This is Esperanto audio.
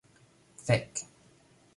Fek!